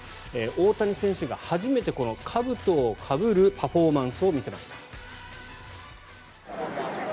大谷選手が初めてかぶとをかぶるパフォーマンスを見せました。